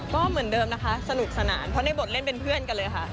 ก็เหมือนเดิมนะคะสนุกสนานเพราะในบทเล่นเป็นเพื่อนกันเลยค่ะ